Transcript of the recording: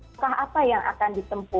apakah apa yang akan ditempu